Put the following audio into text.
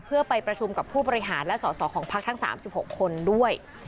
เพื่อไปประชุมกับผู้บริหารและสอสอของพักทั้ง๓๖คนด้วย